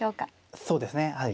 そうですねはい。